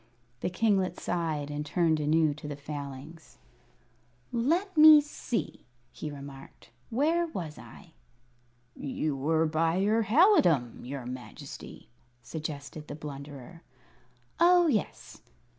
The kinglet sighed, and turned anew to the Failings. "Let me see," he remarked; "where was I?" "You were by your halidom, your Majesty," suggested the Blunderer. "Oh, yes."